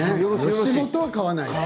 吉本は買わない。